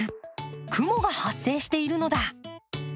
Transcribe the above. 雲が発生しているのだ。